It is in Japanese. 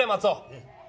うん。